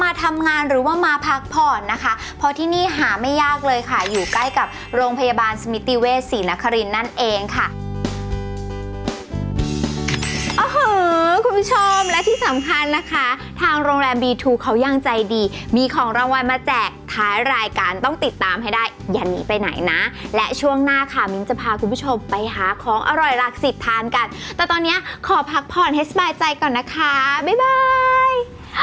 โอ้โหคุณผู้ชมและที่สำคัญนะคะทางโรงแรมบีทูเขายังใจดีมีของรางวัลมาแจกท้ายรายการต้องติดตามให้ได้อย่าหนีไปไหนนะและช่วงหน้าค่ะมิ้นจะพาคุณผู้ชมไปหาของอร่อยหลักสิบทานกันแต่ตอนเนี้ยขอพักผ่อนให้สบายใจก่อนนะคะบ๊าย